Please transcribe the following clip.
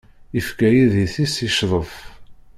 Ifka idis-is i ccḍef.